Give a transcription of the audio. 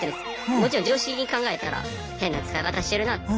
もちろん常識的に考えたら変な使い方してるな。